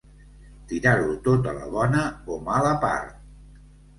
Tirar-ho tot a la bona o mala part.